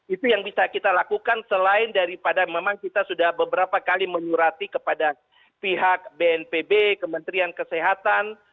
itu yang bisa kita lakukan selain daripada memang kita sudah beberapa kali menyurati kepada pihak bnpb kementerian kesehatan